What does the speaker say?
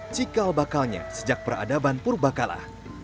cikal bakalnya sejak peradaban purbakala